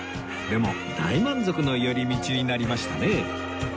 でも大満足の寄り道になりましたね